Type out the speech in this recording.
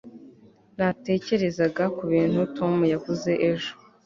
natekerezaga kubintu tom yavuze ejo